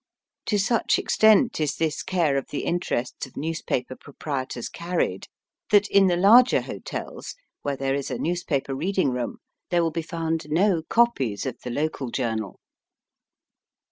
To such extent is this care of the interests of newspaper proprietors carried, that in the Digitized by VjOOQIC SOME WESTERN TOWNS. 43 larger hotels, where there is a newspaper reading room, there will he found no copies of the local journal.